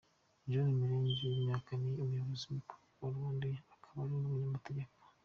John Milenge, w’imyaka , ni Umuyobozi Mukuru wa Rwandair, akaba ni umunyamategeko.